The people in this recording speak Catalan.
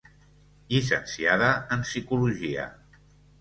Llicenciada en Psicologia.